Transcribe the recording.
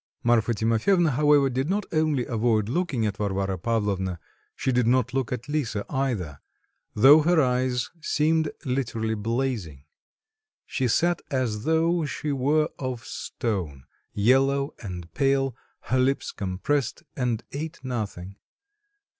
Marfa Timofyevna, however, did not only avoid looking at Varvara Pavlovna; she did not look at Lisa either, though her eyes seemed literally blazing. She sat as though she were of stone, yellow and pale, her lips compressed, and ate nothing.